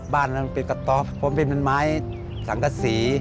บ้านนั้นเป็นกระต๊อบเพราะมันเป็นไม้สังกษี